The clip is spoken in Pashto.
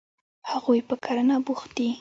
هغوی په کرنه بوخت دي.